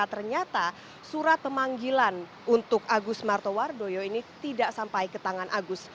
ternyata surat pemanggilan untuk agus martowardoyo ini tidak sampai ke tangan agus